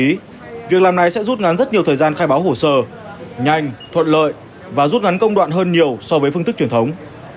vì vậy việc làm này sẽ rút ngắn rất nhiều thời gian khai báo hồ sơ nhanh thuận lợi và rút ngắn công đoạn hơn nhiều so với phương thức truyền thống